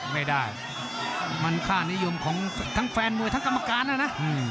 ไม่ได้มันค่านิยมของทั้งแฟนมวยทั้งกรรมการนะนะ